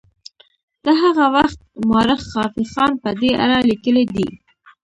د هغه وخت مورخ خافي خان په دې اړه لیکلي دي.